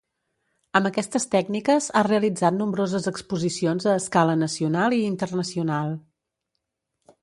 Amb aquestes tècniques ha realitzat nombroses exposicions a escala nacional i internacional.